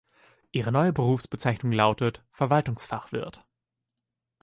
Ihre neue Berufsbezeichnung lautet: Verwaltungsfachwirt.